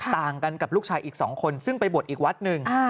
ต่างกันกับลูกชายอีก๒คนซึ่งไปบวชอีกวัดหนึ่ง